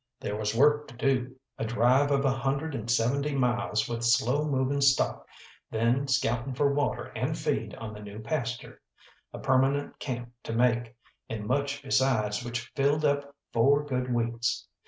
There was work to do, a drive of a hundred and seventy miles with slow moving stock, then scouting for water and feed on the new pasture, a permanent camp to make, and much besides which filled up four good weeks.